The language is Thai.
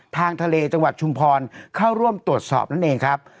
ทางทะเลจังหวัดชุมพรเข้าร่วมตรวจสอบนั่นเองครับ